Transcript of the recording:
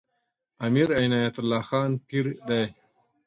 امیر عنایت الله خان پیر دی.